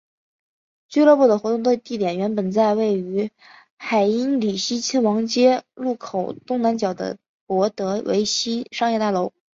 俱乐部的活动地点原本在位于海因里希亲王街路口东南角的博德维希商业大楼。